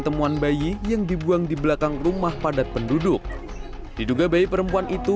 temuan bayi yang dibuang di belakang rumah padat penduduk diduga bayi perempuan itu